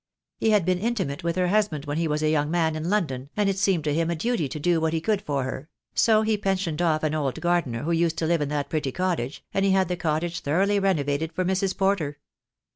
He had been intimate with her husband when he was a young man in London, and it seemed to him a duty to do what he could for her; so he pensioned off an old gardener who used to live in that pretty cottage, and he had the cottage thoroughly renovated for Mrs. Porter.